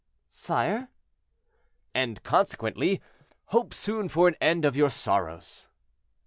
"Sire?" "And, consequently, hope soon for an end of your sorrows."